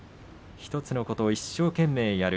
１つのことを一生懸命やる。